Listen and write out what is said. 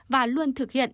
và luôn thực hiện